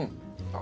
あ。